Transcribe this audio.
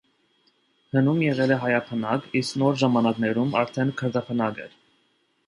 Հնում եղել է հայաբնակ, իսկ նոր ժամանակներում արդեն քրդաբնակ էր։